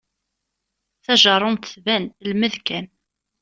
Tajerrumt tban lmed kan.